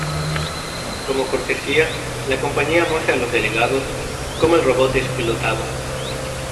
Como cortesía, la compañía muestra a los delegados cómo el robot es pilotado.